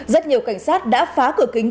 rất nhiều cảnh sát đã phá cửa kính